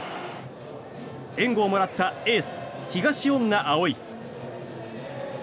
援護をもらったエース東恩納蒼。